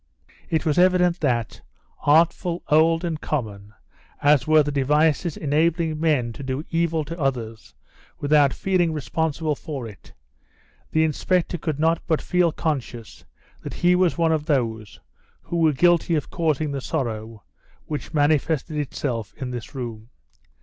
It was evident that, artful, old, and common as were the devices enabling men to do evil to others without feeling responsible for it, the inspector could not but feel conscious that he was one of those who were guilty of causing the sorrow which manifested itself in this room.